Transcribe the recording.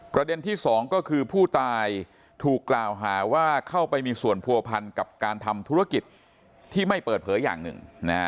ประเด็นที่สองก็คือผู้ตายถูกกล่าวหาว่าเข้าไปมีส่วนผัวพันกับการทำธุรกิจที่ไม่เปิดเผยอย่างหนึ่ง